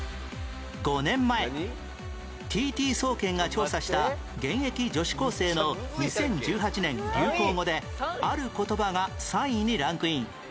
５年前 ＴＴ 総研が調査した現役女子高生の２０１８年流行語である言葉が３位にランクイン